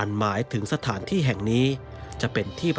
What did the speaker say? อันหมายถึงสถานที่แห่งนี้